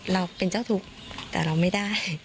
เราเป็นเจ้าทุกข์แต่เราไม่ได้